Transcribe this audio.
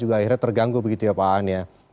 akhirnya terganggu begitu ya pak an